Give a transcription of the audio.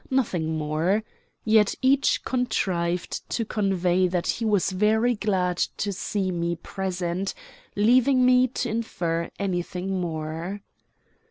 Nothing more. Yet each contrived to convey that he was very glad to see me present, leaving me to infer anything more.